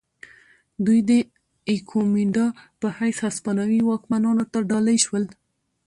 دوی د ایکومینډا په حیث هسپانوي واکمنانو ته ډالۍ شول.